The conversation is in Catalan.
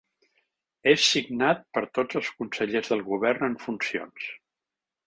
És signat per tots els consellers del govern en funcions.